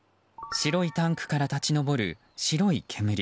白いタンクから立ち上る白い煙。